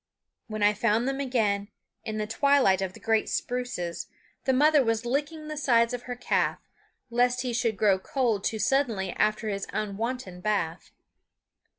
When I found them again, in the twilight of the great spruces, the mother was licking the sides of her calf, lest he should grow cold too suddenly after his unwonted bath.